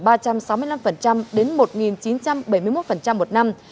các đối tượng xét duyệt quy trình cho vay từ ba trăm sáu mươi năm đến một chín trăm bảy mươi một một năm